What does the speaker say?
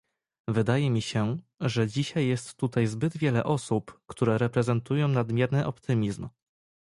Wydaje mi się, że dzisiaj jest tutaj zbyt wiele osób, które reprezentują nadmierny optymizm